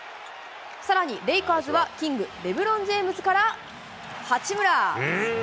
さらにレイカーズはキング、レブロン・ジェームズから八村。